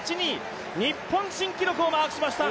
日本新記録をマークしました。